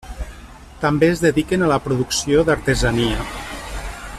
També es dediquen a la producció d'artesania.